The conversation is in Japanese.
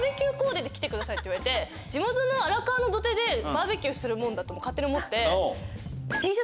言われて地元の荒川の土手でバーベキューするもんだと勝手に思って。